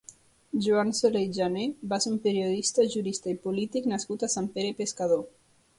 Joan Soler i Janer va ser un periodista, jurista i polític nascut a Sant Pere Pescador.